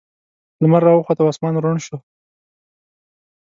لمر راوخوت او اسمان روڼ شو.